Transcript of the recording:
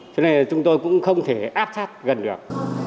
cho nên là chúng tôi cũng không thể áp sát gần được